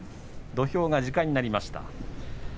土俵が時間になりました。